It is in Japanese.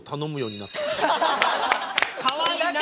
かわいいな。